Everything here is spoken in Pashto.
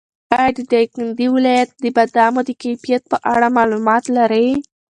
ایا د دایکنډي ولایت د بادامو د کیفیت په اړه معلومات لرې؟